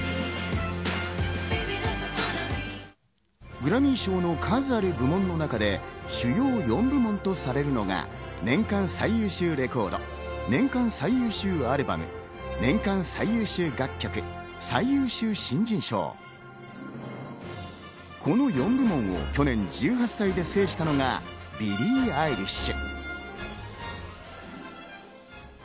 グラミー賞の数ある部門の中で、主要４部門とされるのが、年間最優秀レコード、年間最優秀アルバム、年間最優秀楽曲、最優秀新人賞、この４部門を去年１８歳で制したのがビリー・アイリッシュ。